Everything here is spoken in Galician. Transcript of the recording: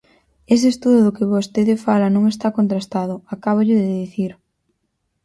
Ese estudo do que vostede fala non está contrastado, acábollo de dicir.